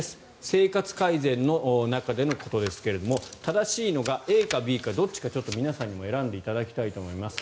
生活改善の中でのことですが正しいのがＡかＢか皆さんにも選んでいただきたいと思います。